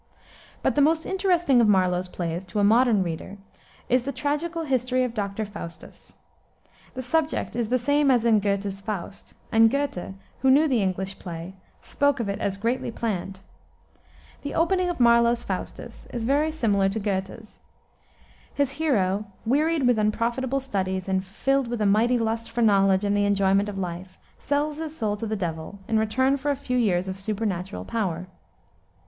But the most interesting of Marlowe's plays, to a modern reader, is the Tragical History of Doctor Faustus. The subject is the same as in Goethe's Faust, and Goethe, who knew the English play, spoke of it as greatly planned. The opening of Marlowe's Faustus is very similar to Goethe's. His hero, wearied with unprofitable studies, and filled with a mighty lust for knowledge and the enjoyment of life, sells his soul to the Devil in return for a few years of supernatural power.